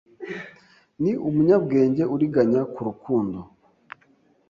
ni umunyabwenge uriganya ku rukundo